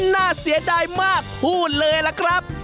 น่าเสียดายมากพูดเลยล่ะครับ